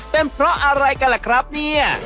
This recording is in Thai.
เป็นเพราะอะไรกันล่ะครับเนี่ย